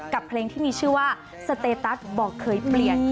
เพลงที่มีชื่อว่าสเตตัสบอกเคยเปลี่ยน